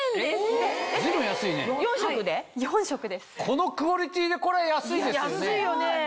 このクオリティーでこれは安いですよね。